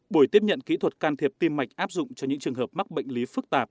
buổi tiếp nhận kỹ thuật can thiệp tim mạch áp dụng cho những trường hợp mắc bệnh lý phức tạp